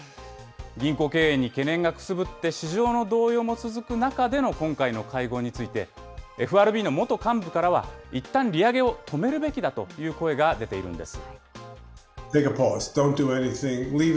銀行経営に懸念がくすぶって、市場の動揺も続く中での今回の会合について、ＦＲＢの元幹部からは、いったん利上げを止めるべきだという声が出ているんです。